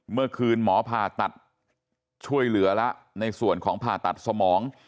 เมื่อคืนหมอผ่าตัดช่วยเหลือแล้วในส่วนของผ่าตัดสมอง